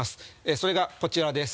それがこちらです。